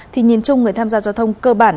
thì nhìn chung người tham gia giao thông cơ bản